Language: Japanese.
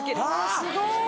すごい。